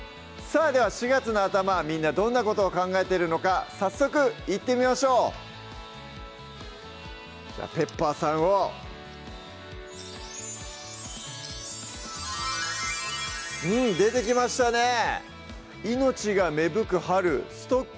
さぁでは４月の頭みんなどんなことを考えてるのか早速いってみましょうじゃあペッパーさんをうん出てきましたね